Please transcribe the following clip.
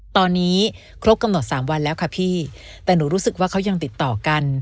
ตอนนี้ครบกำหนดสามวันแล้วค่ะพี่แต่หนูรู้สึกว่าเขายังติดต่อกัน